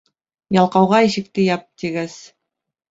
Ялҡауға ишекте яп, тигәс